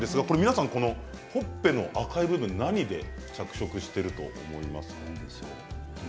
ほっぺの赤い部分、何で着色していると思いますか？